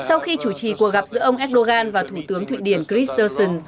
sau khi chủ trì cuộc gặp giữa ông erdogan và thủ tướng thụy điển chris dawson